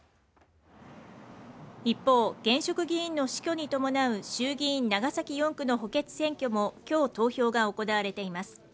一方、現職議員の死去に伴う衆議院長崎４区の補欠選挙も今日、投票が行われています。